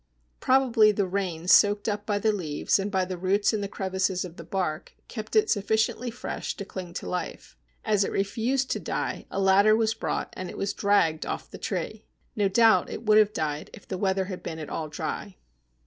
Probably the rain soaked up by the leaves, and by the roots in the crevices of the bark, kept it sufficiently fresh to cling to life. As it refused to die, a ladder was brought, and it was dragged off the tree. No doubt it would have died if the weather had been at all dry.